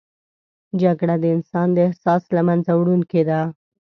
جګړه د انسان د احساس له منځه وړونکې ده